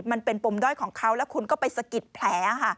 มันเป็นปมด้อยของเขาแล้วคุณก็ไปสะกิดแผล